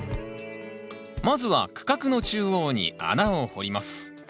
まずは区画の中央に穴を掘ります